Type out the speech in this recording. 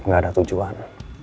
gak ada tujuan